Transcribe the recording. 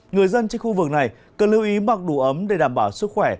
người dân trên khu vực này cần lưu ý mặc đủ ấm để đảm bảo sức khỏe